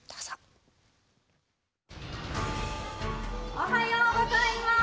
おはようございます。